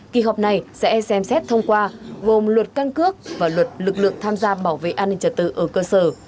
kỳ họp này sẽ xem xét thông qua gồm luật căn cước và luật lực lượng tham gia bảo vệ an ninh trật tự ở cơ sở